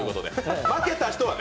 負けた人はね。